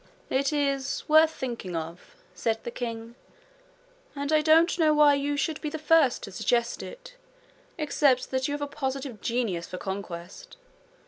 'It is worth thinking of,' said the king; 'and I don't know why you should be the first to suggest it, except that you have a positive genius for conquest.